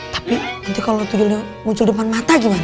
tapi nanti kalau tujuannya muncul depan mata gimana